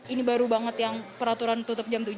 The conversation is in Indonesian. ini baru banget yang peraturan tutup jam tujuh